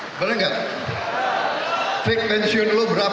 mas ferry maksudnya apa tuh general general kaya hidup mewah apa